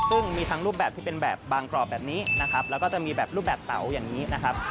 ซึ่งมีทั้งรูปแบบที่เป็นแบบบางกรอบแบบนี้นะครับแล้วก็จะมีแบบรูปแบบเตาอย่างนี้นะครับ